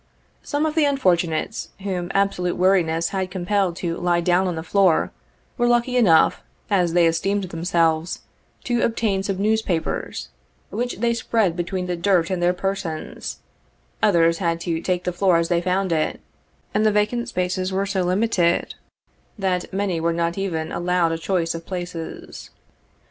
Some of the unfortunates, whom absolute weariness had compelled to lie down on the floor, were lucky enough, as they esteemed themselves, to obtain some newspapers, which they spread 51 between the dirt and their persons ; others had to take the floor as they found it, and the vacant spaces were so limited that many were not even allowed a choice of places.